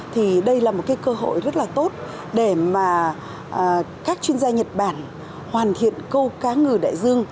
thì đây là một cái cơ hội rất là tốt để mà các chuyên gia nhật bản hoàn thiện câu cá ngừ đại dương